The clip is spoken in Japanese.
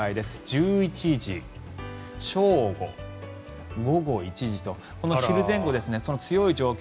１１時、正午、午後１時と昼前後その強い状況